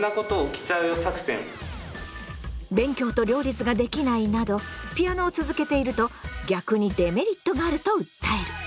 勉強と両立ができないなどピアノを続けていると逆にデメリットがあると訴える。